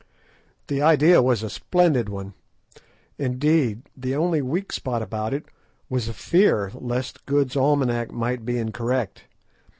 The idea was a splendid one; indeed, the only weak spot about it was a fear lest Good's almanack might be incorrect.